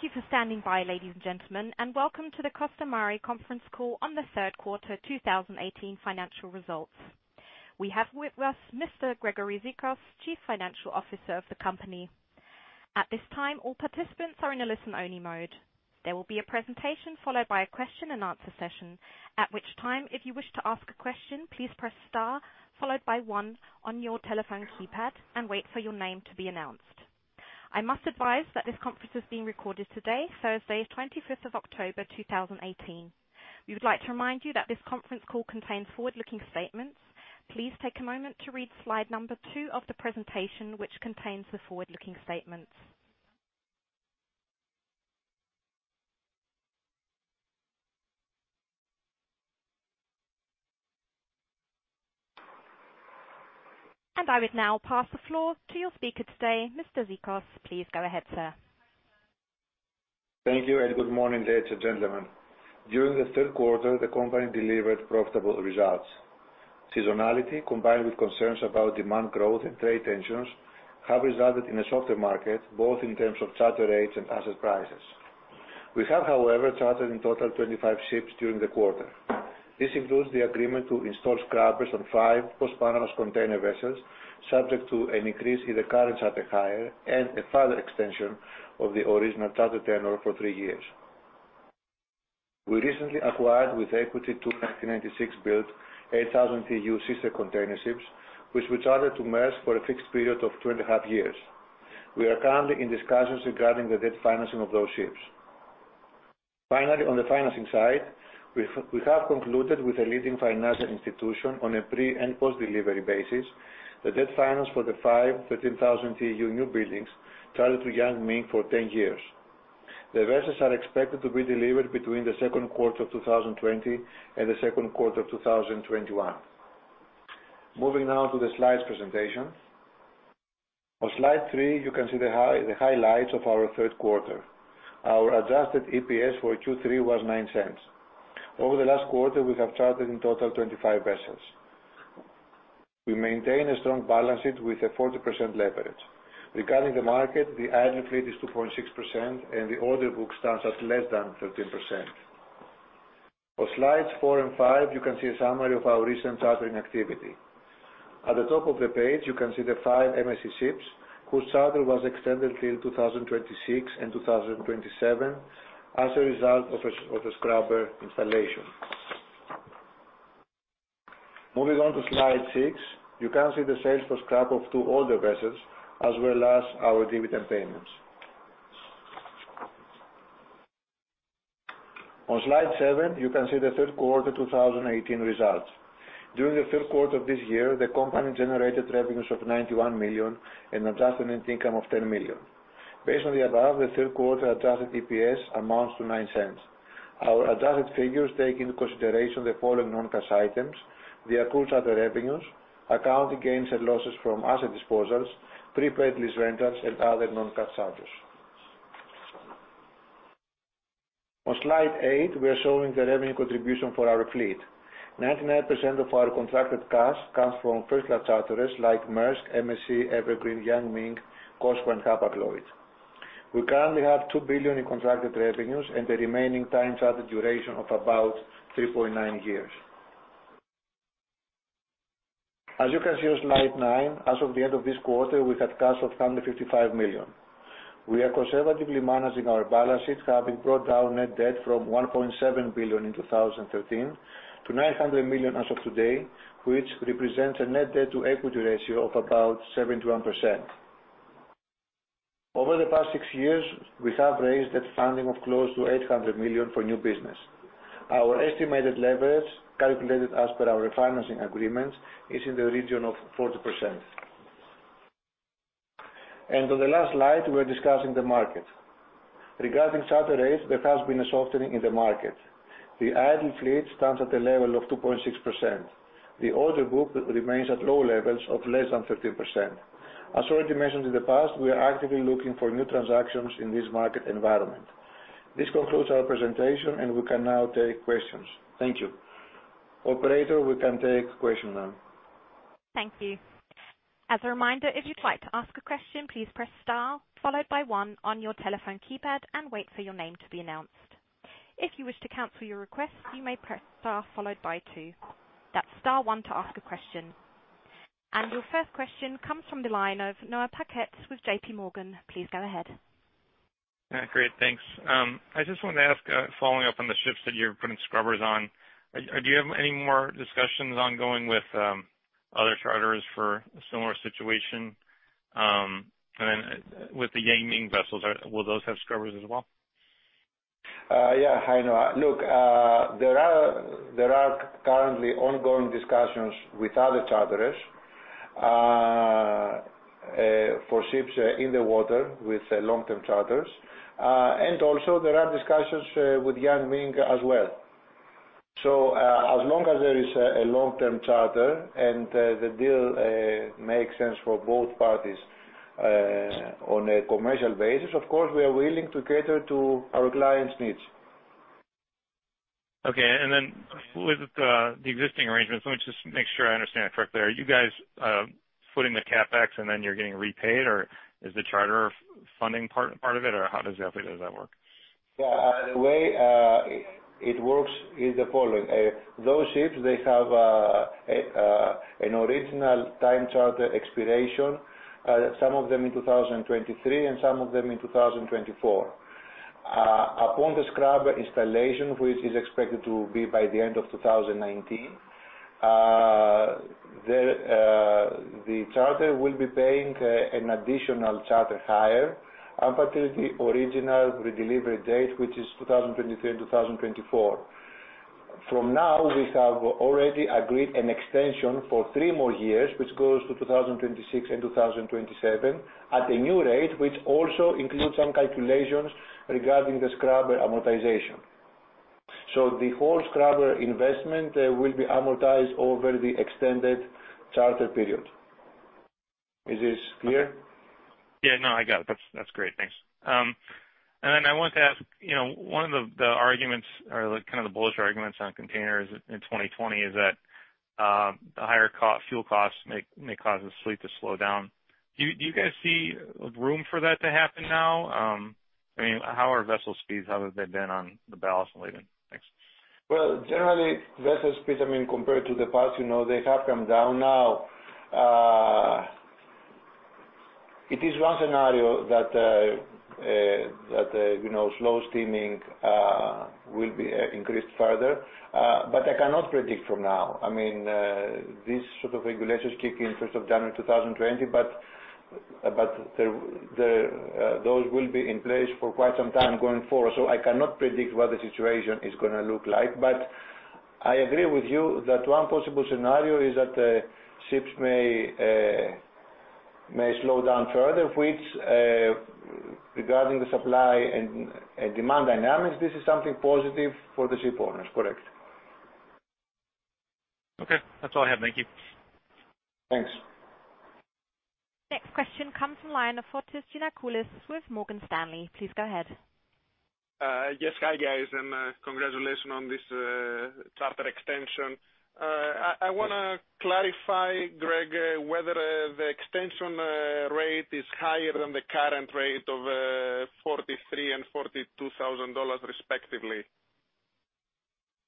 Thank you for standing by, ladies and gentlemen, and welcome to the Costamare conference call on the third quarter 2018 financial results. We have with us Mr. Gregory Zikos, Chief Financial Officer of the company. At this time, all participants are in a listen-only mode. There will be a presentation followed by a question and answer session. At which time, if you wish to ask a question, please press star followed by one on your telephone keypad and wait for your name to be announced. I must advise that this conference is being recorded today, Thursday, 25th of October, 2018. We would like to remind you that this conference call contains forward-looking statements. Please take a moment to read slide number two of the presentation, which contains the forward-looking statements. I would now pass the floor to your speaker today, Mr. Zikos. Please go ahead, sir. Thank you, good morning, ladies and gentlemen. During the third quarter, the company delivered profitable results. Seasonality combined with concerns about demand growth and trade tensions have resulted in a softer market, both in terms of charter rates and asset prices. We have, however, chartered in total 25 ships during the quarter. This includes the agreement to install scrubbers on five Post-Panamax container vessels, subject to an increase in the current charter hire and a further extension of the original charter tenure for three years. We recently acquired with equity two 1996 built 8,000 TEU sister container ships, which we chartered to Maersk for a fixed period of two and a half years. We are currently in discussions regarding the debt financing of those ships. Finally, on the financing side, we have concluded with a leading financial institution on a pre- and post-delivery basis, the debt finance for the five 13,000 TEU newbuildings chartered to Yang Ming for 10 years. The vessels are expected to be delivered between the second quarter of 2020 and the second quarter of 2021. Moving now to the slides presentation. On slide three, you can see the highlights of our third quarter. Our adjusted EPS for Q3 was $0.09. Over the last quarter, we have chartered in total 25 vessels. We maintain a strong balance sheet with a 40% leverage. Regarding the market, the idle fleet is 2.6%, and the order book stands at less than 13%. On slides four and five, you can see a summary of our recent chartering activity. At the top of the page, you can see the five MSC ships, whose charter was extended till 2026 and 2027 as a result of a scrubber installation. Moving on to slide six, you can see the sales for scrap of two older vessels, as well as our dividend payments. On slide seven, you can see the third quarter 2018 results. During the third quarter of this year, the company generated revenues of $91 million and adjusted net income of $10 million. Based on the above, the third quarter adjusted EPS amounts to $0.09. Our adjusted figures take into consideration the following non-cash items: the accrued charter revenues, accounting gains and losses from asset disposals, prepaid lease rentals, and other non-cash charges. On slide eight, we are showing the revenue contribution for our fleet. 99% of our contracted costs comes from first-class charterers like Maersk, MSC, Evergreen, Yang Ming, Cosco, and Hapag-Lloyd. We currently have $2 billion in contracted revenues and the remaining time charter duration of about 3.9 years. As you can see on slide nine, as of the end of this quarter, we had cash of $155 million. We are conservatively managing our balance sheet, having brought down net debt from $1.7 billion in 2013 to $900 million as of today, which represents a net debt to equity ratio of about 71%. Over the past six years, we have raised debt funding of close to $800 million for new business. Our estimated leverage, calculated as per our refinancing agreements, is in the region of 40%. On the last slide, we're discussing the market. Regarding charter rates, there has been a softening in the market. The idle fleet stands at a level of 2.6%. The order book remains at low levels of less than 13%. As already mentioned in the past, we are actively looking for new transactions in this market environment. This concludes our presentation, and we can now take questions. Thank you. Operator, we can take question now. Thank you. As a reminder, if you'd like to ask a question, please press star, followed by one on your telephone keypad and wait for your name to be announced. If you wish to cancel your request, you may press star followed by two. That's star one to ask a question. Your first question comes from the line of Noah Parquette with JPMorgan. Please go ahead. Yeah, great, thanks. I just wanted to ask, following up on the ships that you're putting scrubbers on, do you have any more discussions ongoing with other charterers for a similar situation? With the Yang Ming vessels, will those have scrubbers as well? Yeah. Hi, Noah. Look, there are currently ongoing discussions with other charterers for ships in the water with long-term charters. Also, there are discussions with Yang Ming as well. As long as there is a long-term charter and the deal makes sense for both parties on a commercial basis, of course, we are willing to cater to our clients' needs. Okay. Then with the existing arrangements, let me just make sure I understand correctly. Are you guys footing the CapEx and then you're getting repaid, or is the charter funding part of it, or how does that work? Yeah. The way it works is the following. Those ships, they have an original time charter expiration, some of them in 2023 and some of them in 2024. Upon the scrubber installation, which is expected to be by the end of 2019, the charter will be paying an additional charter hire up until the original redelivery date, which is 2023, 2024. From now, we have already agreed an extension for three more years, which goes to 2026 and 2027 at a new rate, which also includes some calculations regarding the scrubber amortization. The whole scrubber investment will be amortized over the extended charter period. Is this clear? Yeah, no, I got it. That's great. Thanks. Then I wanted to ask, one of the arguments or the bullish arguments on containers in 2020 is that the higher fuel costs may cause the fleet to slow down. Do you guys see room for that to happen now? How are vessel speeds? How have they been on the balance leading? Thanks. Well, generally, vessel speeds, compared to the past, they have come down. Now, it is one scenario that slow steaming will be increased further. I cannot predict from now. These sort of regulations kick in 1st of January 2020, but those will be in place for quite some time going forward. I cannot predict what the situation is going to look like. I agree with you that one possible scenario is that the ships may slow down further, which, regarding the supply and demand dynamics, this is something positive for the ship owners, correct. Okay. That's all I have. Thank you. Thanks. Next question comes from line of Fotis Giannakoulis with Morgan Stanley. Please go ahead. Yes. Hi, guys, and congratulations on this charter extension. I want to clarify, Greg, whether the extension rate is higher than the current rate of $43,000 and $42,000, respectively.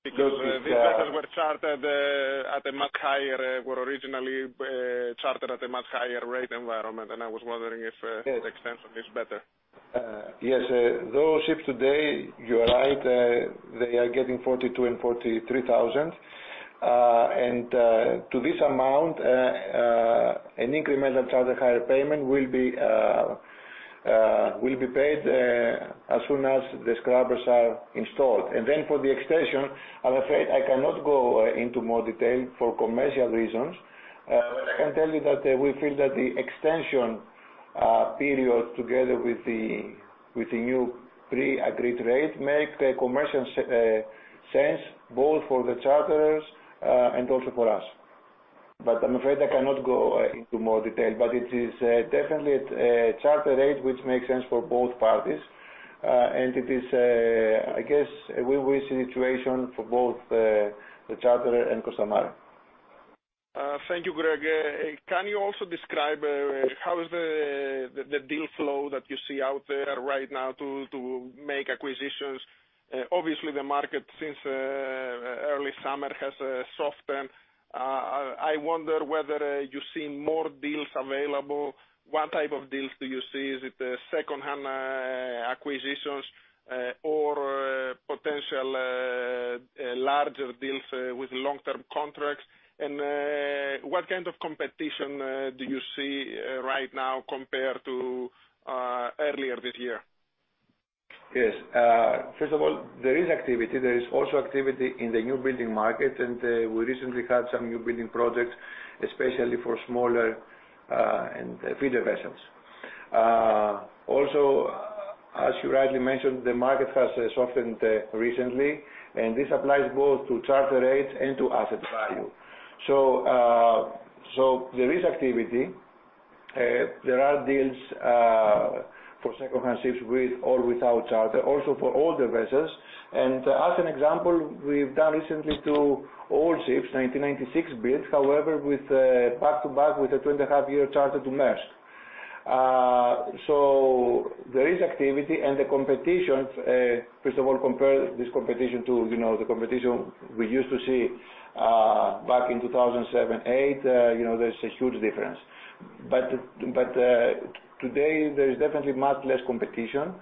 These vessels were chartered at a much higher rate environment, and I was wondering if the extension is better. Yes. Those ships today, you're right, they are getting $42,000 and $43,000. To this amount, an incremental charter higher payment will be paid as soon as the scrubbers are installed. For the extension, I'm afraid I cannot go into more detail for commercial reasons. I can tell you that we feel that the extension period together with the new pre-agreed rate make commercial sense both for the charterers and also for us. I'm afraid I cannot go into more detail. It is definitely a charter rate which makes sense for both parties. It is, I guess, a win-win situation for both the charterer and Costamare. Thank you, Greg. Can you also describe how is the deal flow that you see out there right now to make acquisitions? Obviously, the market since early summer has softened. I wonder whether you're seeing more deals available. What type of deals do you see? Is it secondhand acquisitions or potential larger deals with long-term contracts? What kind of competition do you see right now compared to earlier this year? Yes. First of all, there is activity. There is also activity in the new building market. We recently had some new building projects, especially for smaller and feeder vessels. Also, as you rightly mentioned, the market has softened recently. This applies both to charter rates and to asset value. There is activity. There are deals for secondhand ships with or without charter, also for older vessels. As an example, we've done recently two old ships, 1996 builds, however, with back-to-back with a two and a half year charter to Maersk. There is activity and the competitions, first of all, compare this competition to the competition we used to see back in 2007, 2008, there's a huge difference. Today there is definitely much less competition.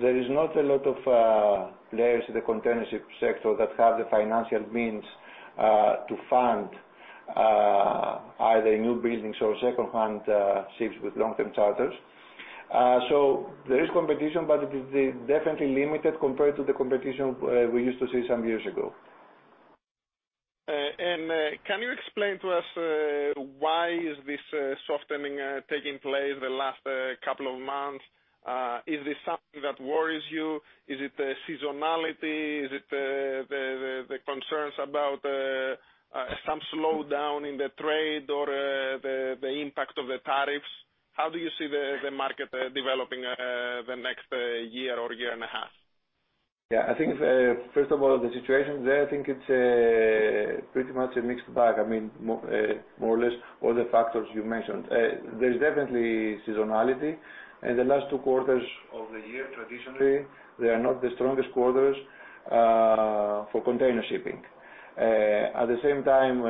There is not a lot of players in the container ship sector that have the financial means to fund either new buildings or secondhand ships with long-term charters. There is competition. It is definitely limited compared to the competition we used to see some years ago. Can you explain to us why is this softening taking place the last couple of months? Is this something that worries you? Is it the seasonality? Is it the concerns about some slowdown in the trade or the impact of the tariffs? How do you see the market developing the next year or year and a half? Yeah. First of all, the situation there, I think it is pretty much a mixed bag. More or less all the factors you mentioned. There is definitely seasonality. The last two quarters of the year, traditionally, they are not the strongest quarters for container shipping. At the same time,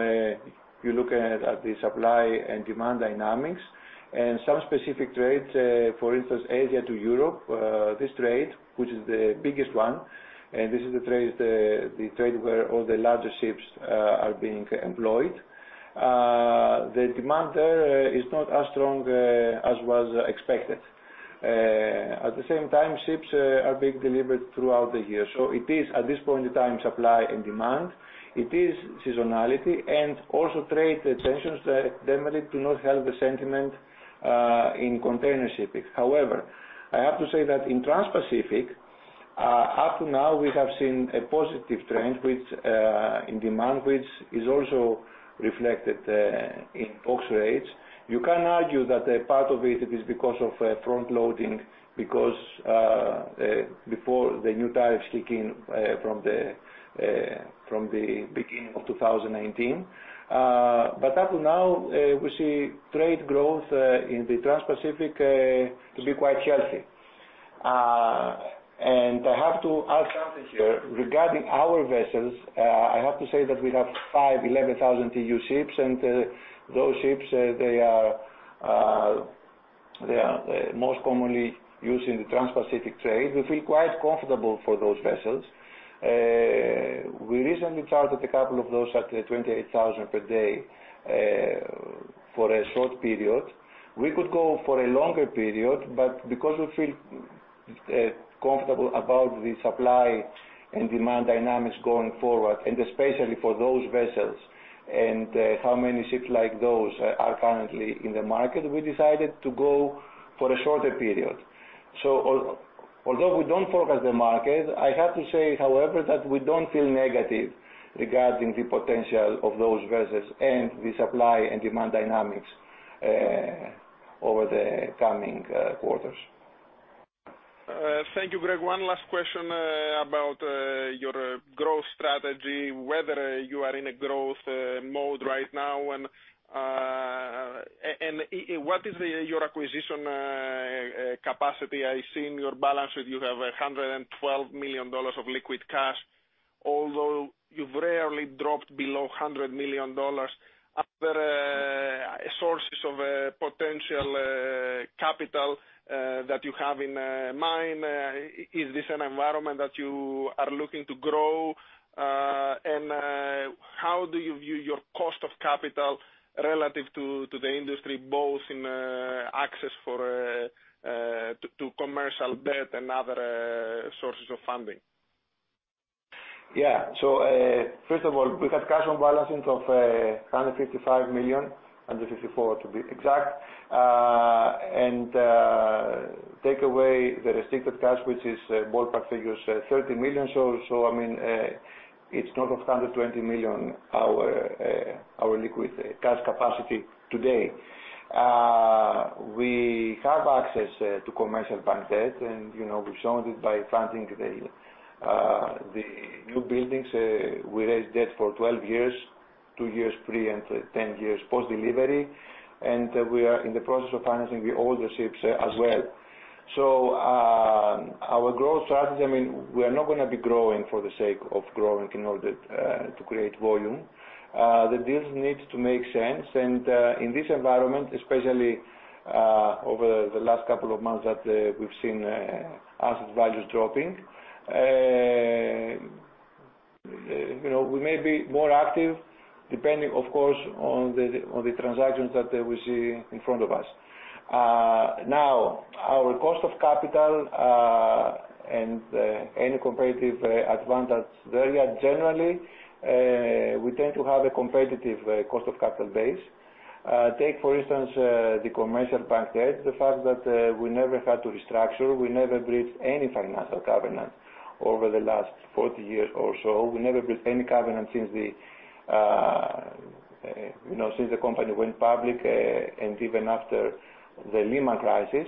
you look at the supply and demand dynamics and some specific trades, for instance, Asia to Europe, this trade, which is the biggest one, and this is the trade where all the larger ships are being employed. The demand there is not as strong as was expected. At the same time, ships are being delivered throughout the year. It is, at this point in time, supply and demand. It is seasonality and also trade tensions that definitely do not help the sentiment in container shipping. However, I have to say that in Transpacific, up to now, we have seen a positive trend in demand, which is also reflected in box rates. You can argue that a part of it is because of front-loading before the new tariffs kick in from the beginning of 2019. Up to now, we see trade growth in the Transpacific to be quite healthy. I have to add something here regarding our vessels. I have to say that we have five 11,000 TEU ships, and those ships are most commonly used in the Transpacific trade. We feel quite comfortable for those vessels. We recently chartered a couple of those at $28,000 per day for a short period. We could go for a longer period, because we feel comfortable about the supply and demand dynamics going forward, and especially for those vessels and how many ships like those are currently in the market, we decided to go for a shorter period. Although we don't forecast the market, I have to say, however, that we don't feel negative regarding the potential of those vessels and the supply and demand dynamics over the coming quarters. Thank you, Greg. One last question about your growth strategy, whether you are in a growth mode right now and what is your acquisition capacity. I see in your balance sheet you have $112 million of liquid cash, although you've rarely dropped below $100 million. Are there sources of potential capital that you have in mind? Is this an environment that you are looking to grow? How do you view your cost of capital relative to the industry, both in access to commercial debt and other sources of funding? Yeah. First of all, we have cash on balance sheet of $155 million, $154 million to be exact. Take away the restricted cash, which is ballpark figures, $30 million or so. It's sort of $120 million, our liquid cash capacity today. We have access to commercial bank debt, and we've shown it by funding the newbuildings. We raised debt for 12 years, two years pre and 10 years post-delivery. We are in the process of financing the older ships as well. Our growth strategy, we are not going to be growing for the sake of growing in order to create volume. The deals need to make sense. In this environment, especially over the last couple of months that we've seen asset values dropping, we may be more active, depending, of course, on the transactions that we see in front of us. Now, our cost of capital and any competitive advantage there, generally, we tend to have a competitive cost of capital base. Take, for instance, the commercial bank debt, the fact that we never had to restructure, we never breached any financial covenant over the last 40 years or so. We never breached any covenant since the company went public, and even after the Lehman crisis.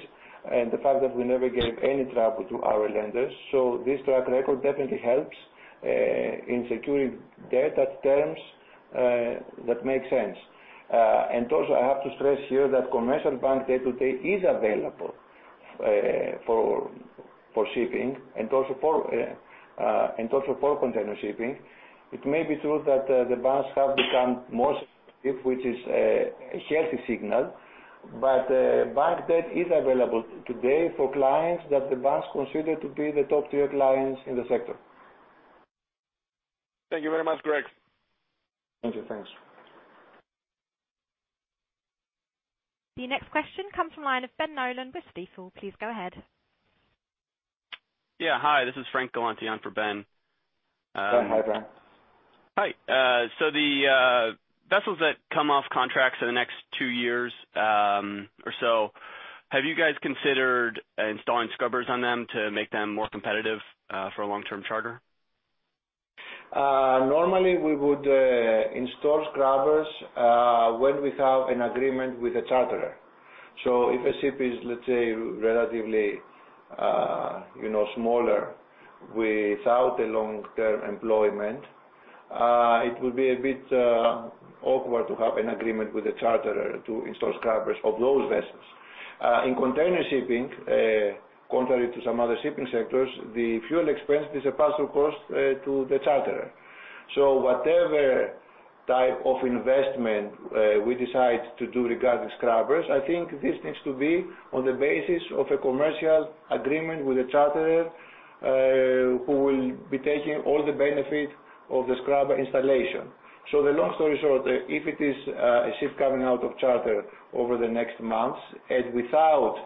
The fact that we never gave any trouble to our lenders. This track record definitely helps in securing debt at terms that make sense. Also, I have to stress here that commercial bank debt today is available for shipping and also for container shipping. It may be true that the banks have become more selective, which is a healthy signal, bank debt is available today for clients that the banks consider to be the top-tier clients in the sector. Thank you very much, Greg. Thank you. Thanks. Your next question comes from line of Ben Nolan with Stifel. Please go ahead. Yeah. Hi, this is Frank Galante on for Ben. Hi, Frank. Hi. The vessels that come off contracts in the next two years or so, have you guys considered installing scrubbers on them to make them more competitive for a long-term charter? Normally, we would install scrubbers when we have an agreement with the charterer. If a ship is, let's say, relatively smaller without a long-term employment, it will be a bit awkward to have an agreement with the charterer to install scrubbers of those vessels. In container shipping, contrary to some other shipping sectors, the fuel expense is a pass-through cost to the charterer. Whatever type of investment we decide to do regarding scrubbers, I think this needs to be on the basis of a commercial agreement with the charterer, who will be taking all the benefit of the scrubber installation. The long story short, if it is a ship coming out of charter over the next months, and without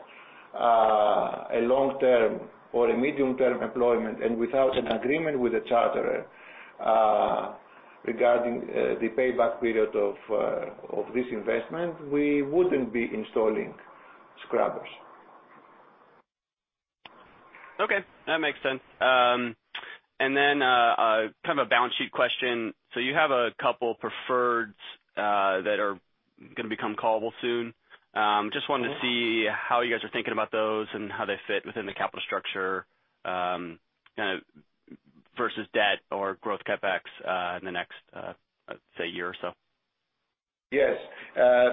a long-term or a medium-term employment, and without an agreement with the charterer regarding the payback period of this investment, we wouldn't be installing scrubbers. Okay, that makes sense. Kind of a balance sheet question. You have a couple preferreds that are going to become callable soon. Just wanted to see how you guys are thinking about those and how they fit within the capital structure versus debt or growth CapEx in the next, say, year or so. Yes.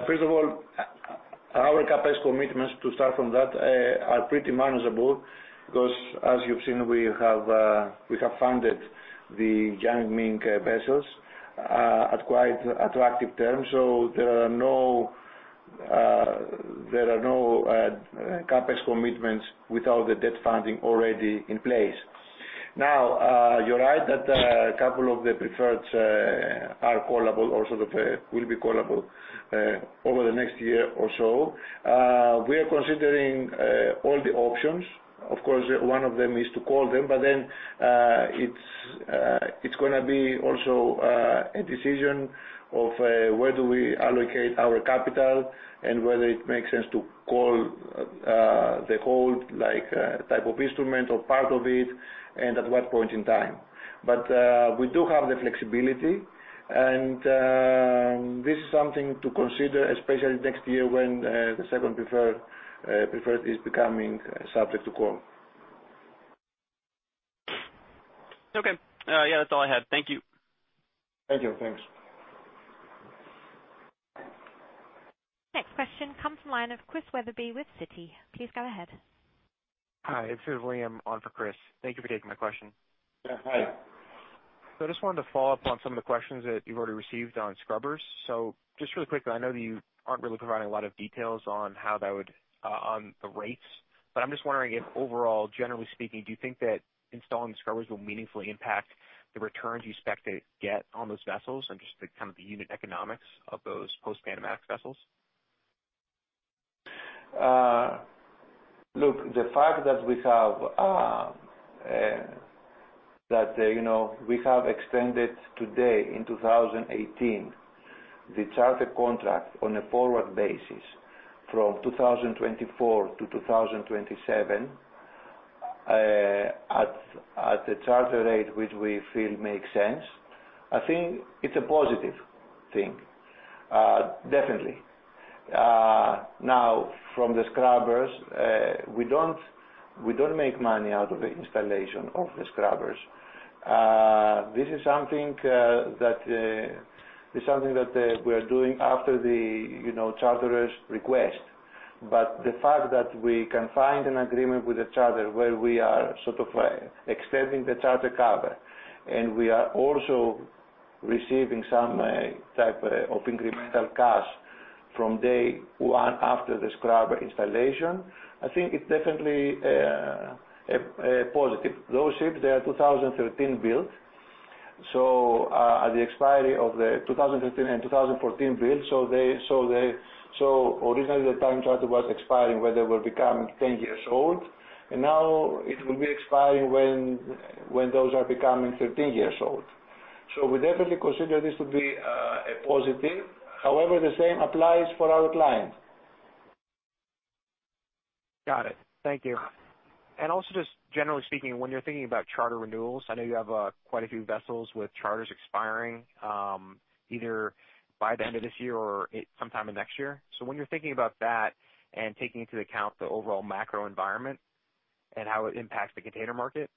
First of all, our CapEx commitments, to start from that, are pretty manageable because as you've seen, we have funded the Yang Ming vessels at quite attractive terms. There are no CapEx commitments without the debt funding already in place. You're right that a couple of the preferreds are callable or sort of will be callable over the next year or so. We are considering all the options. Of course, one of them is to call them, it's going to be also a decision of where do we allocate our capital and whether it makes sense to call the whole type of instrument or part of it, and at what point in time. We do have the flexibility, and this is something to consider, especially next year when the second preferred is becoming subject to call. Okay. Yeah, that's all I had. Thank you. Thank you. Thanks. Next question comes from the line of Chris Wetherbee with Citi. Please go ahead. Hi, this is William on for Chris. Thank you for taking my question. Yeah, hi. I just wanted to follow up on some of the questions that you've already received on scrubbers. Just really quickly, I know that you aren't really providing a lot of details on the rates, but I'm just wondering if overall, generally speaking, do you think that installing scrubbers will meaningfully impact the returns you expect to get on those vessels and just the kind of the unit economics of those Post-Panamax vessels? Look, the fact that we have extended today in 2018 the charter contract on a forward basis from 2024 to 2027 at a charter rate which we feel makes sense, I think it's a positive thing, definitely. From the scrubbers, we don't make money out of the installation of the scrubbers. This is something that we are doing after the charterer's request. The fact that we can find an agreement with the charterer where we are sort of extending the charter cover, and we are also receiving some type of incremental cash from day one after the scrubber installation, I think it's definitely a positive. Those ships, they are 2013 built. At the expiry of the 2013 and 2014-built, originally the time charter was expiring when they will become 10 years old, and now it will be expiring when those are becoming 13 years old. We definitely consider this to be a positive. However, the same applies for our client. Got it. Thank you. Also, just generally speaking, when you're thinking about charter renewals, I know you have quite a few vessels with charters expiring either by the end of this year or sometime in next year. When you're thinking about that and taking into account the overall macro environment and how it impacts the container market,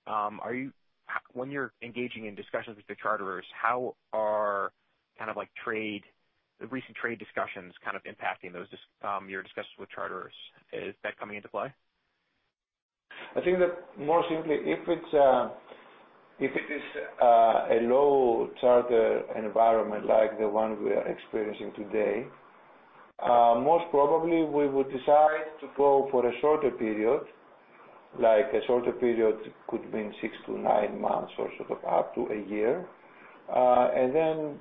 when you're engaging in discussions with the charterers, how are the recent trade discussions kind of impacting your discussions with charterers? Is that coming into play? I think that more simply, if it is a low charter environment like the one we are experiencing today, most probably we would decide to go for a shorter period, like a shorter period could mean 6-9 months or sort of up to a year. Then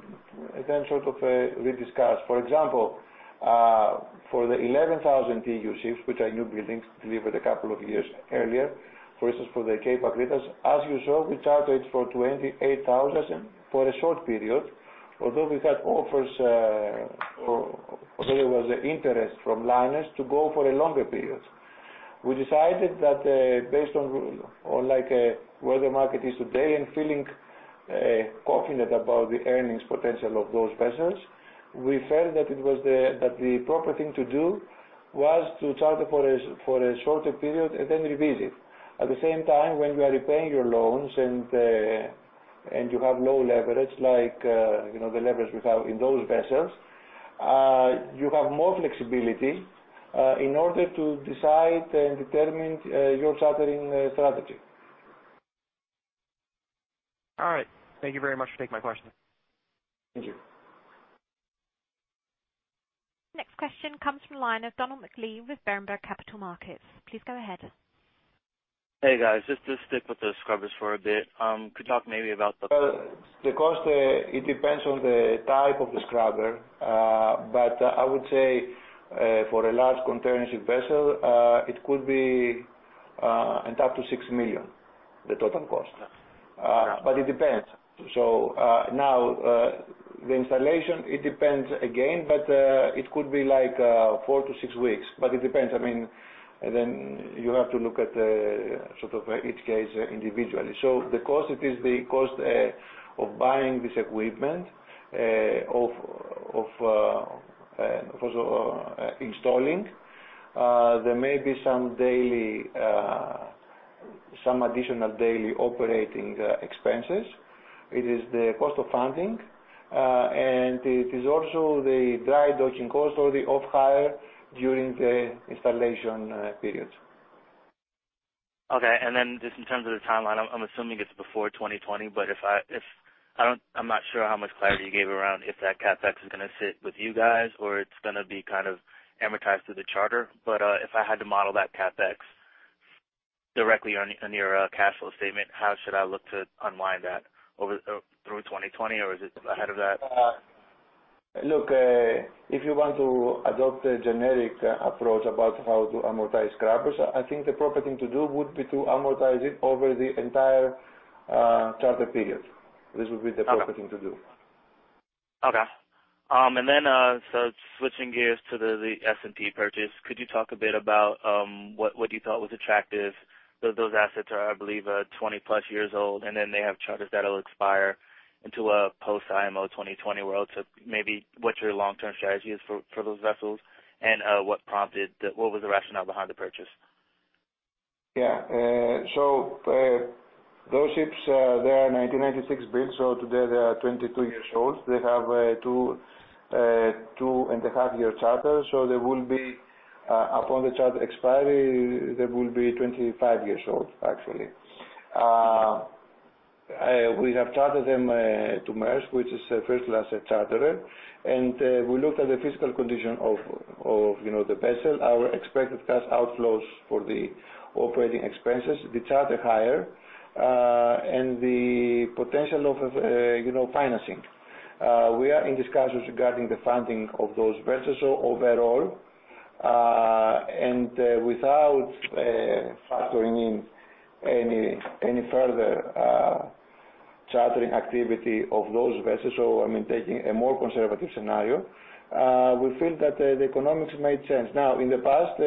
sort of rediscuss. For example, for the 11,000 TEU ships, which are new buildings delivered a couple of years earlier, for instance, for the Cape Akritas, as you saw, we chartered for $28,000 for a short period, although we had offers or there was an interest from liners to go for a longer period. We decided that based on where the market is today and feeling confident about the earnings potential of those vessels, we felt that the proper thing to do was to charter for a shorter period and then revisit. At the same time, when you are repaying your loans and you have low leverage, like the leverage we have in those vessels, you have more flexibility in order to decide and determine your chartering strategy. All right. Thank you very much for taking my question. Thank you. Next question comes from the line of Donald McLee with Berenberg Capital Markets. Please go ahead. Hey, guys. Just to stick with the scrubbers for a bit. Could you talk maybe about. Well, the cost, it depends on the type of the scrubber, but I would say for a large container ship vessel, it could be up to $6 million, the total cost. Yeah. It depends. Now, the installation, it depends again, but it could be four to six weeks, but it depends. You have to look at sort of each case individually. The cost, it is the cost of buying this equipment, of also installing. There may be some additional daily operating expenses. It is the cost of funding, and it is also the dry docking cost or the off-hire during the installation periods. Okay. Just in terms of the timeline, I'm assuming it's before 2020. I'm not sure how much clarity you gave around if that CapEx is going to sit with you guys or it's going to be kind of amortized through the charter. If I had to model that CapEx directly on your cash flow statement, how should I look to unwind that through 2020, or is it ahead of that? Look, if you want to adopt a generic approach about how to amortize scrubbers, I think the proper thing to do would be to amortize it over the entire charter period. This would be the proper thing to do. Okay. Switching gears to the S&P purchase, could you talk a bit about what you thought was attractive? Those assets are, I believe, 20-plus years old, and they have charters that'll expire into a post-IMO 2020 world. Maybe what your long-term strategy is for those vessels, and what was the rationale behind the purchase? Those ships, they are 1996 built, today they are 22 years old. They have a two and a half year charter, they will be, upon the charter expiry, they will be 25 years old, actually. We have chartered them to Maersk, which is a first-class charterer, we looked at the physical condition of the vessel, our expected cash outflows for the operating expenses, the charter hire, and the potential of financing. We are in discussions regarding the funding of those vessels overall, without factoring in any further chartering activity of those vessels, I mean, taking a more conservative scenario, we feel that the economics may change. In the past,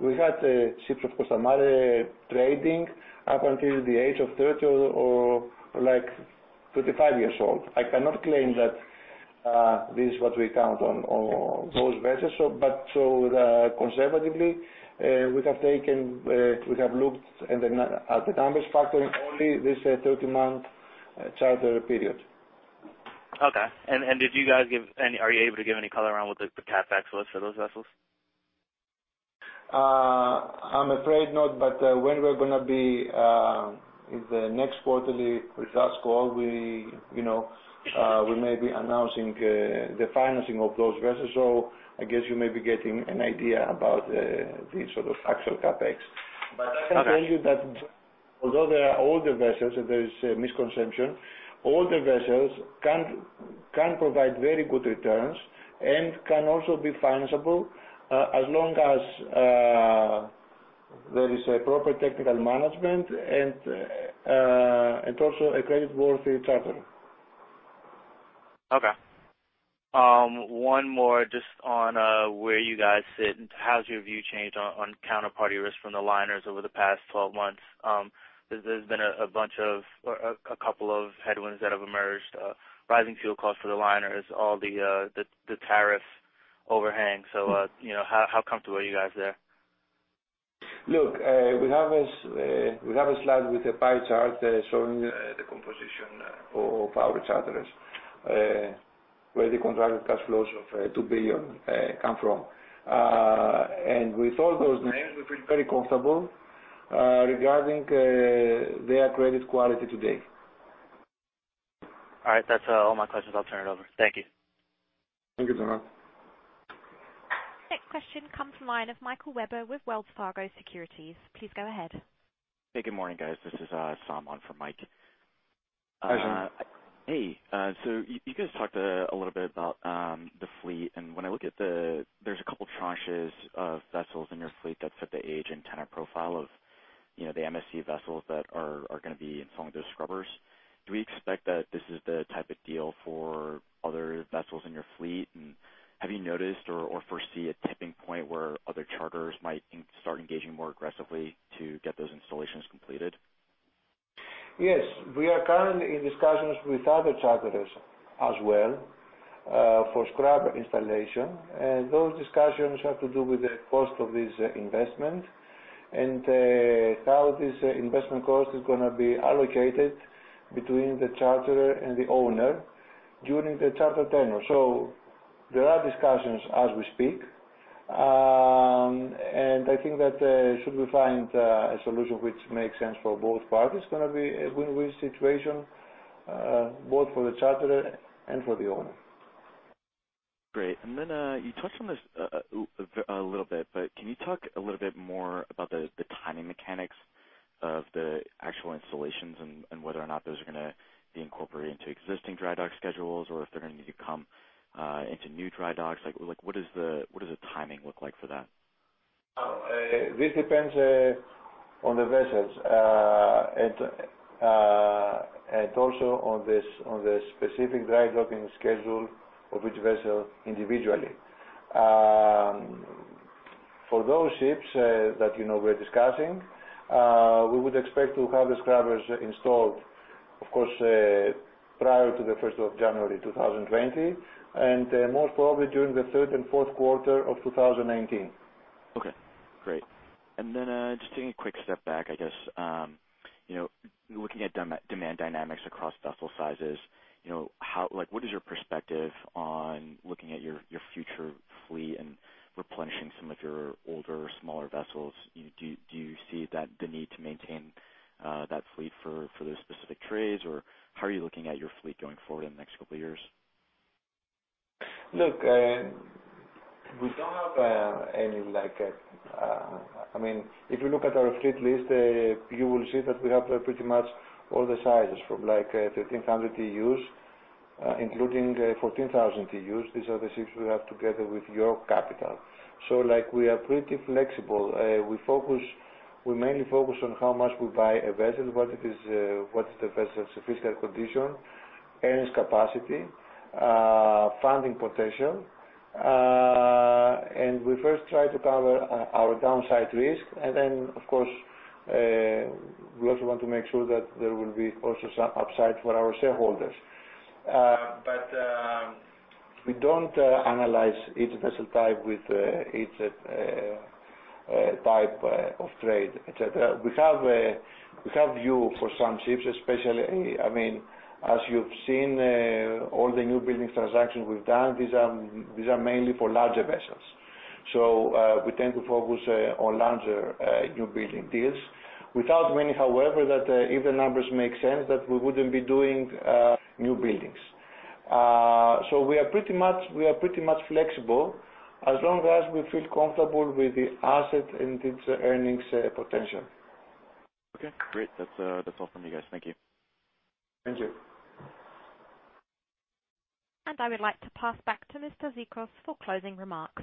we had ships of Costamare trading up until the age of 30 or 35 years old. I cannot claim that this is what we count on those vessels. Conservatively, we have looked at the numbers factoring only this 30-month charter period. Are you able to give any color around what the CapEx was for those vessels? I'm afraid not. When we're going to be in the next quarterly results call, we may be announcing the financing of those vessels. I guess you may be getting an idea about the sort of actual CapEx. Okay. I can tell you that although they are older vessels and there is a misconception, older vessels can provide very good returns and can also be financeable as long as there is a proper technical management and also a creditworthy charterer. Okay. One more just on where you guys sit and how's your view changed on counterparty risk from the liners over the past 12 months. There's been a couple of headwinds that have emerged, rising fuel costs for the liners, all the tariff overhang. How comfortable are you guys there? Look, we have a slide with a pie chart showing the composition of our charterers, where the contracted cash flows of $2 billion come from. With all those names, we feel very comfortable regarding their credit quality today. All right. That's all my questions. I'll turn it over. Thank you. Thank you, Donald. Next question comes from the line of Michael Webber with Wells Fargo Securities. Please go ahead. Hey, good morning, guys. This is Salman for Mike. Hi, Salman. Hey. You guys talked a little bit about the fleet, and when I look at the, there's a couple tranches of vessels in your fleet that fit the age and tenor profile of the MSC vessels that are going to be installing those scrubbers, do we expect that this is the type of deal for other vessels in your fleet? Have you noticed or foresee a tipping point where other charterers might start engaging more aggressively to get those installations completed? Yes. We are currently in discussions with other charterers as well for scrubber installation. Those discussions have to do with the cost of this investment and how this investment cost is going to be allocated between the charterer and the owner during the charter tenure. There are discussions as we speak. I think that should we find a solution which makes sense for both parties, it's going to be a win-win situation both for the charterer and for the owner. Great. You touched on this a little bit, can you talk a little bit more about the timing mechanics of the actual installations and whether or not those are going to be incorporated into existing dry dock schedules or if they're going to need to come into new dry docks? What does the timing look like for that? This depends on the vessels, and also on the specific dry docking schedule of each vessel individually. For those ships that we're discussing, we would expect to have the scrubbers installed, of course, prior to the first of January 2020, and most probably during the third and fourth quarter of 2019. Okay, great. Then just taking a quick step back, I guess, looking at demand dynamics across vessel sizes, what is your perspective on looking at your future fleet and replenishing some of your older, smaller vessels? Do you see the need to maintain that fleet for those specific trades, or how are you looking at your fleet going forward in the next couple of years? Look, if you look at our fleet list, you will see that we have pretty much all the sizes from 1,500 TEUs including 14,000 TEUs. These are the ships we have together with York Capital. We are pretty flexible. We mainly focus on how much we buy a vessel, what is the vessel's physical condition, earnings capacity, funding potential. We first try to cover our downside risk, then, of course, we also want to make sure that there will be also some upside for our shareholders. We don't analyze each vessel type with each type of trade, et cetera. We have view for some ships, especially, as you've seen all the new building transactions we've done, these are mainly for larger vessels. We tend to focus on larger new building deals. Without meaning, however, that if the numbers make sense, that we wouldn't be doing new buildings. We are pretty much flexible as long as we feel comfortable with the asset and its earnings potential. Okay, great. That's all from me, guys. Thank you. Thank you. I would like to pass back to Mr. Zikos for closing remarks.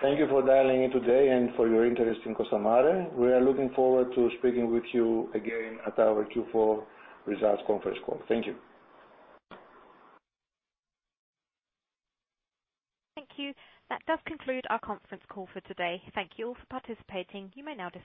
Thank you for dialing in today and for your interest in Costamare. We are looking forward to speaking with you again at our Q4 results conference call. Thank you. Thank you. That does conclude our conference call for today. Thank you all for participating. You may now disconnect.